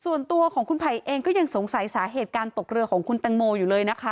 ส่วนตัวของคุณไผ่เองก็ยังสงสัยสาเหตุการตกเรือของคุณตังโมอยู่เลยนะคะ